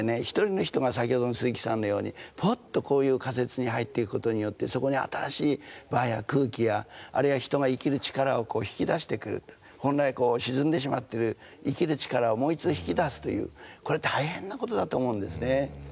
一人の人が先ほどの鈴木さんのようにぽっとこういう仮設に入っていくことによってそこに新しい場や空気やあるいは人が生きる力をこう引き出してくる本来こう沈んでしまってる生きる力をもう一度引き出すというこれ大変なことだと思うんですね。